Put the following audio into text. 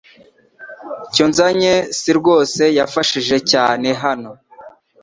Cyonzanye srwose yafashije cyane hano .